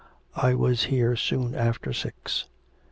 I was here soon after six.'